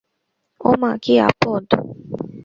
ওমা, কী আপদ!